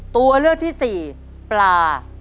ตัวเลือกที่สี่ปลา